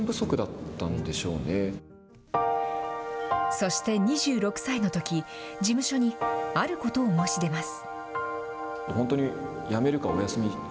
そして２６歳のとき、事務所に、あることを申し出ます。